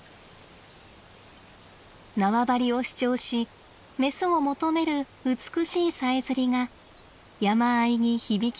縄張りを主張しメスを求める美しいさえずりが山あいに響き渡ります。